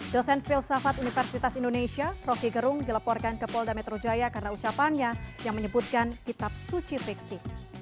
dosen filsafat universitas indonesia rocky gerung dilaporkan ke polda metro jaya karena ucapannya yang menyebutkan kitab suci fiksi